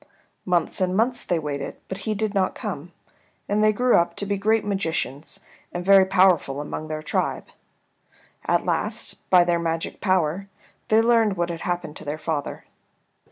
Months and months they waited, but he did not come, and they grew up to be great magicians and very powerful among their tribe. At last, by their magic power, they learned what had happened to their father.